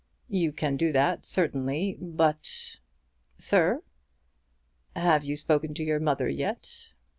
"You can do that certainly, but " "Sir?" "Have you spoken to your mother yet?"